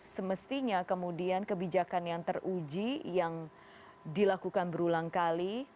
semestinya kemudian kebijakan yang teruji yang dilakukan berulang kali